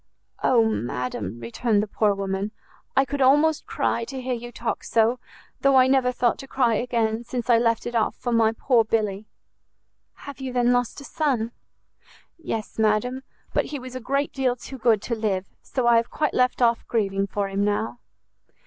"Oh madam," returned the poor woman, "I could almost cry to hear you talk so, though I never thought to cry again, since I left it off for my poor Billy!" "Have you, then, lost a son?" "Yes, madam; but he was a great deal too good to live, so I have quite left off grieving for him now."